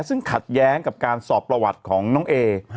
ซึ่งขัดแย้งกับการสอบประวัติของน้องเอ